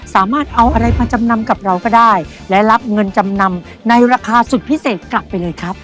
สามารถเอาอะไรมาจำนำกับเราก็ได้และรับเงินจำนำในราคาสุดพิเศษกลับไปเลยครับ